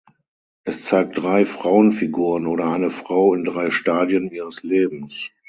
Es zeigt drei Frauenfiguren oder eine Frau in drei Stadien ihres Lebens.